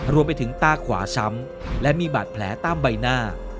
รวมไปถึงตาขวาช้ำและมีบาดแผลตามใบหน้า